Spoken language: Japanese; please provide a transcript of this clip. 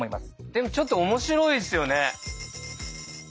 でもちょっと面白いですよね。